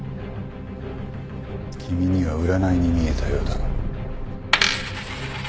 君には占いに見えたようだが。